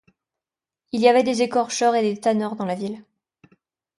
Il y avait des écorcheurs et des tanneurs dans la ville.